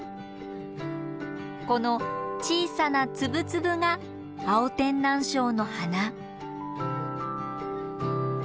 この小さな粒々がアオテンナンショウの花。